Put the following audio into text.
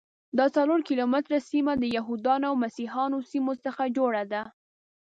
دا څلور کیلومتره سیمه د یهودانو او مسیحیانو سیمو څخه جوړه ده.